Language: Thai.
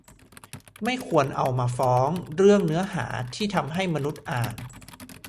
ไม่ควรเอามาฟ้องเรื่องเนื้อหาที่ทำให้มนุษย์อ่าน